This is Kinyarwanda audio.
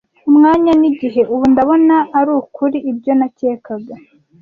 Umwanya nigihe! ubu ndabona arukuri, ibyo nakekaga ,